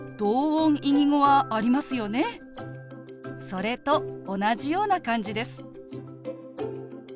それと同じような感じです。